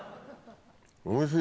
おいしい。